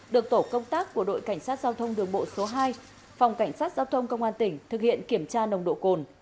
được tổ công tác của đội cảnh sát giao thông đường bộ số hai phòng cảnh sát giao thông công an tỉnh thực hiện kiểm tra nồng độ cồn